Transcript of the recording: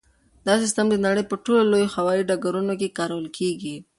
دا سیسټم د نړۍ په ټولو لویو هوایي ډګرونو کې کارول کیږي.